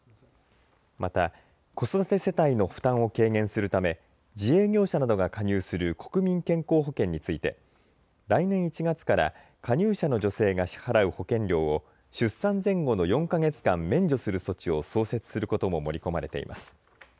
また子育て世帯の負担を軽減するため自営業者などが加入する国民健康保険について来年１月から加入者の女性が支払う保険料を出産前後の４か月間、免除する措置を創設することも盛り込まれています。